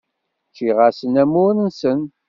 Ččiɣ-asen amur-nsen.